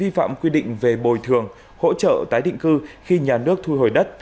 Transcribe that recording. vi phạm quy định về bồi thường hỗ trợ tái định cư khi nhà nước thu hồi đất